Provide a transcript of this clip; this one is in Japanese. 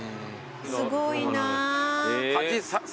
すごいな。